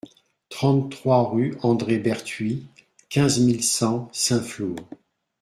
trente-trois rue André Bertuit, quinze mille cent Saint-Flour